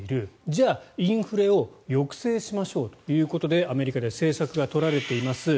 じゃあ、インフレを抑制しましょうということでアメリカで政策が取られています。